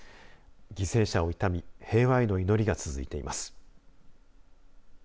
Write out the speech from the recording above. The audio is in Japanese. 犠牲者を悼み平和への祈りが続いています。